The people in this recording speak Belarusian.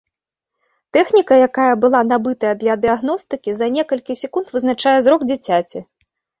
Тэхніка, якая была набытыя для дыягностыкі, за некалькі секунд вызначае зрок дзіцяці.